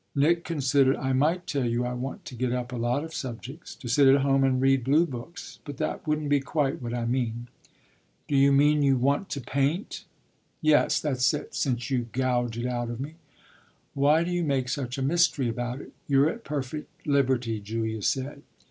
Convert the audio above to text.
Nick considered. "I might tell you I want to get up a lot of subjects, to sit at home and read blue books; but that wouldn't be quite what I mean." "Do you mean you want to paint?" "Yes, that's it, since you gouge it out of me." "Why do you make such a mystery about it? You're at perfect liberty," Julia said.